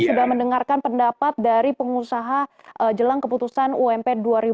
sudah mendengarkan pendapat dari pengusaha jelang keputusan ump dua ribu dua puluh